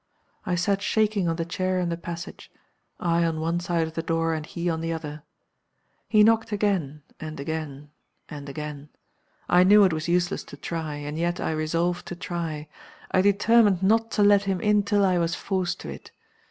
I sat shaking on the chair in the passage; I on one side of the door, and he on the other. "He knocked again, and again, and again. I knew it was useless to try and yet I resolved to try. I determined not to let him in till I was forced to it.